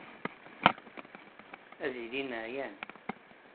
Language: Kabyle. Ad ilin ɛyan.